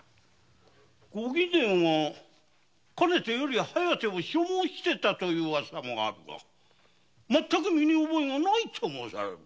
ご貴殿がかねてより「疾風」を所望していたというウワサもあるがまったく身に覚えがないと申されるのか？